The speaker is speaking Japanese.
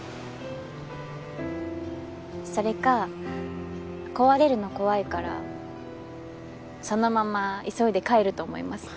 それか壊れるの怖いからそのまま急いで帰ると思います。